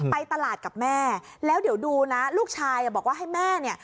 ไปตลาดกับแม่แล้วเดี๋ยวดูนะลูกชายบอกว่าให้แม่เนี่ย